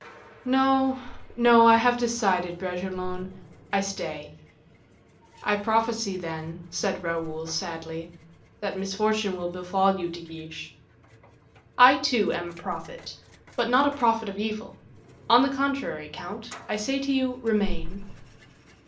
"No, no; I have decided, Bragelonne; I stay." "I prophesy, then," said Raoul, sadly, "that misfortune will befall you, De Guiche." "I, too, am a prophet, but not a prophet of evil; on the contrary, count, I say to you, 'remain.